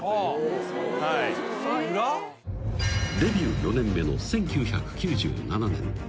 ［デビュー４年目の１９９７年］